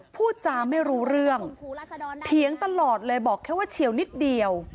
พูดจาไม่รู้เรื่องเถียงตลอดเลยบอกแค่ว่าเฉียวนิดเดียว